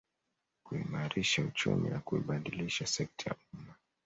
Kuimarisha uchumi na kuibadilisha sekta ya umma